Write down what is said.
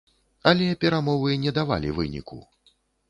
Але перамовы не давалі выніку.